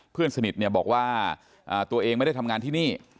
เพื่อนสนิทบอกว่าตัวเองไม่ได้ทำงานที่นี่